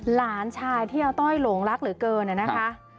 หลานชายที่อาต้อยหลงรักเหลือเกินนะคะ